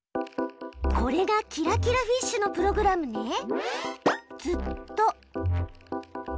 これがキラキラフィッシュのプログラムね！